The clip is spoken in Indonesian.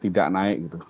tidak naik gitu